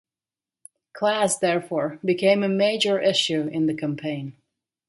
Class therefore became a major issue in the campaign.